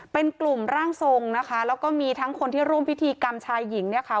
เป็นกลุ่มร่างทรงนะคะแล้วก็มีทั้งคนที่ร่วมพิธีกรรมชายหญิงเนี่ยค่ะ